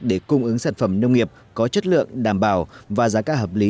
để cung ứng sản phẩm nông nghiệp có chất lượng đảm bảo và giá cả hợp lý